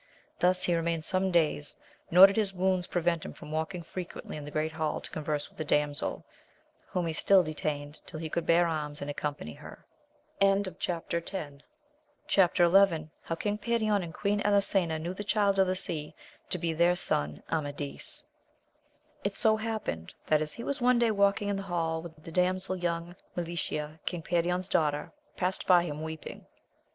Thus he remained some days, nor did his wounds pre vent him from walking frequently in the great hall to converse with the damsel, whom he still detained till ^ he could bear arms and accompany her. Chap. XI. — How King Perion and Queen Elisena knew the Child of the Sea to be their son Amadis. T SO happened, that as he was one day walk ing in the hall with the damsel, young Me licia, King Perion's daughter, past by him weeping.